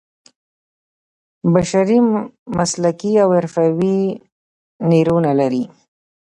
بشري مسلکي او حرفوي نیرو نه لري.